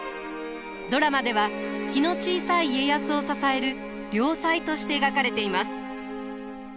ドラマでは気の小さい家康を支える良妻として描かれています。